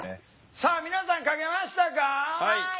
さあ皆さん書けましたか？